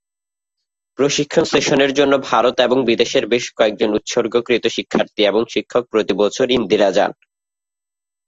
প্রশিক্ষণ সেশনের জন্য ভারত এবং বিদেশের বেশ কয়েকজন উৎসর্গীকৃত শিক্ষার্থী এবং শিক্ষক প্রতিবছর ইন্দিরা যান।